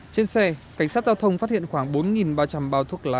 trên xe cảnh sát giao thông phát hiện khoảng bốn ba trăm linh bao thuốc lá